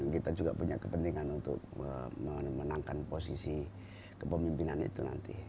kita juga punya kepentingan untuk memenangkan posisi kepemimpinan itu nanti